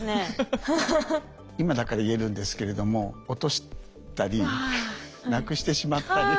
今だから言えるんですけれども落としたりなくしてしまったり。